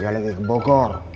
tidak lagi ke bogor